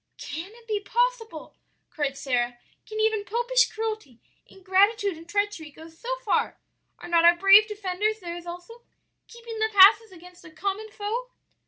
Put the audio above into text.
"'Can it be possible?' cried Sara, 'can even popish cruelty, ingratitude, and treachery go so far? are not our brave defenders theirs also? keeping the passes against a common foe?'